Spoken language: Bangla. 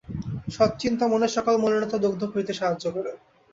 সৎ চিন্তা মনের সকল মলিনতা দগ্ধ করতে সাহায্য করে।